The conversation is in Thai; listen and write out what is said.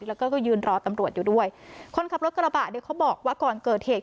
แล้วก็ยืนรอตำรวจอยู่ด้วยคนขับรถกระบะเนี่ยเขาบอกว่าก่อนเกิดเหตุ